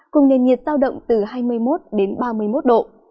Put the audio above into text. cùng nền nhiệt giao động từ hai mươi một đến ba mươi một độ